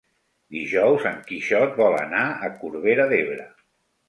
Dijous en Quixot vol anar a Corbera d'Ebre.